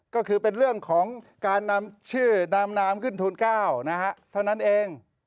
ก็คือเป็นเรื่องของการนำชื่อนามนามขึ้นทูล๙นะฮะเท่านั้นเอง